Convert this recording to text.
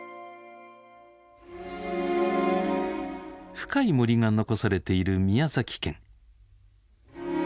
深い森が残されている宮崎県。